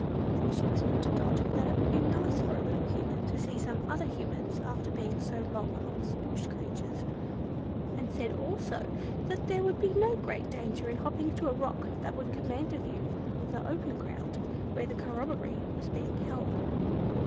She whispered to Dot that it would be nice for a little Human to see some other Humans after being so long amongst bush creatures, and said, also, that there would be no great danger in hopping to a rock that would command a view of the open ground where the corroboree was being held.